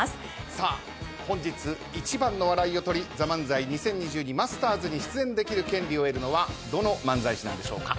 さあ本日一番の笑いを取り『ＴＨＥＭＡＮＺＡＩ２０２２マスターズ』に出演できる権利を得るのはどの漫才師なんでしょうか。